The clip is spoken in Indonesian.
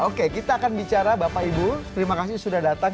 oke kita akan bicara bapak ibu terima kasih sudah datang